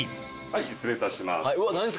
失礼いたします。